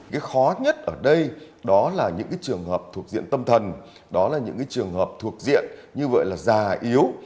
cái khó nhất ở đây đó là những trường hợp thuộc diện tâm thần đó là những trường hợp thuộc diện như vậy là già yếu